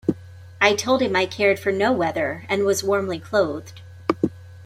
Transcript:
I told him I cared for no weather and was warmly clothed.